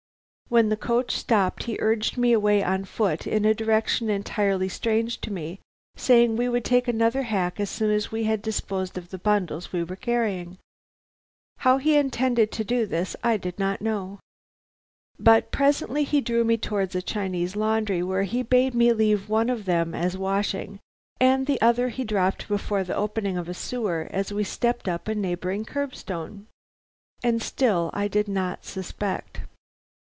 "When the coach stopped, he urged me away on foot in a direction entirely strange to me, saying we would take another hack as soon as we had disposed of the bundles we were carrying. How he intended to do this, I did not know. But presently he drew me towards a Chinese laundry, where he bade me leave one of them as washing, and the other he dropped before the opening of a sewer as we stepped up a neighboring curb stone. "And still I did not suspect.